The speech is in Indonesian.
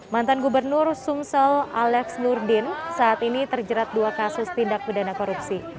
mantan gubernur sumsel alex nurdin saat ini terjerat dua kasus tindak pidana korupsi